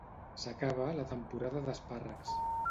S'acaba la temporada d'espàrrecs